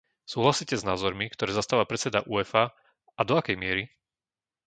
Súhlasíte s názormi, ktoré zastáva predseda Uefa, a do akej miery?